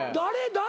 誰？